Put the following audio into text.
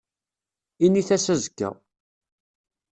Init-as azekka.